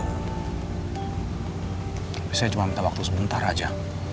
tapi saya cuma minta waktu sebentar aja